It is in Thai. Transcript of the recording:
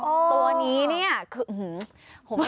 โอ้ตัวนี้นี่สวัสดี